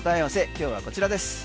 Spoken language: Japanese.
今日はこちらです。